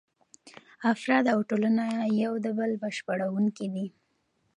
افراد او ټولنه یو د بل بشپړونکي دي.